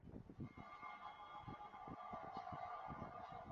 富士冢是富士信仰模仿富士山营造的人工的山或冢。